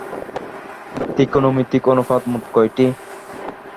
ত্রিকোণমিতিক অনুপাত মোট কয়টি?